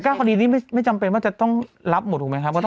ก้าวคอดีตอนนี้ไม่จำเป็นว่าจะต้องรับหมดถูกมั้ยคะ